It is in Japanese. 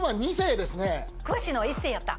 詳しいのは世やった？